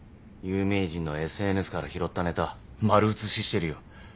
有名人のＳＮＳから拾ったネタ丸写ししてるよ。